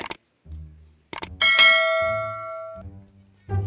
ya melek apa pren